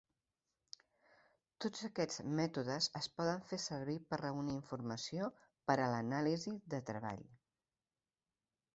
Tots aquests mètodes es poden fer servir per reunir informació per a l'anàlisi de treball.